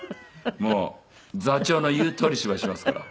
もう座長の言うとおり芝居しますから。